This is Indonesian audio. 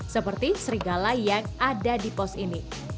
seperti serigala yang ada di pos ini